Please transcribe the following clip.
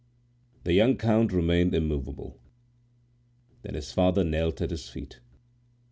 The young count remained immovable. Then his father knelt at his feet.